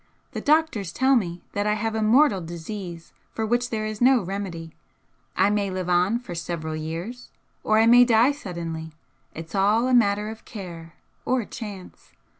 The doctors tell me that I have a mortal disease for which there is no remedy. I may live on for several years, or I may die suddenly; it's all a matter of care or chance.